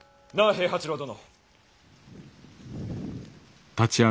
平八郎殿。